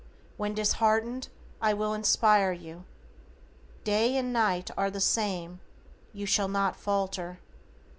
When disheartened I will inspire you. Day and night are the same, you shall not falter.